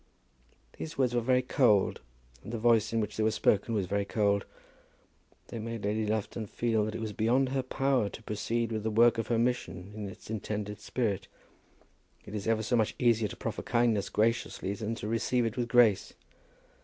These words were very cold, and the voice in which they were spoken was very cold. They made Lady Lufton feel that it was beyond her power to proceed with the work of her mission in its intended spirit. It is ever so much easier to proffer kindness graciously than to receive it with grace.